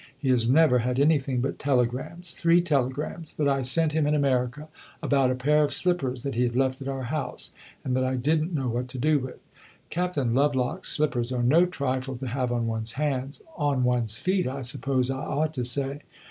He has never had anything but telegrams three telegrams that I sent him in America about a pair of slippers that he had left at our house and that I did n't know what to do with. Captain Lovelock's slippers are no trifle to have on one's hands on one's feet, I suppose I ought to say.